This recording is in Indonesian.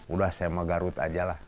udah saya emang garut aja lah